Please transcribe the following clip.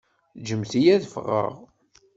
Ǧǧemt-iyi ad ffɣeɣ!